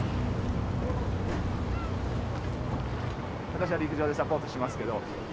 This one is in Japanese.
私は陸上でサポートしますけど。